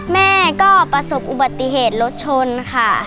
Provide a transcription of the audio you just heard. แม่ก็ประสบอุบัติเหตุรถชนค่ะ